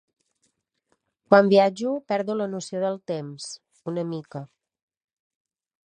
Quan viatjo perdo la noció del temps, una mica.